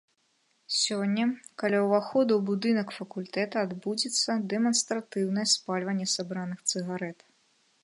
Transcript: Сёння каля ўвахода ў будынак факультэта адбудзецца дэманстратыўнае спальванне сабраных цыгарэт.